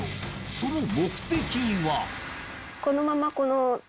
その目的は？